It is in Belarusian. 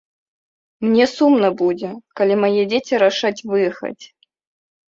Мне сумна будзе, калі мае дзеці рашаць выехаць.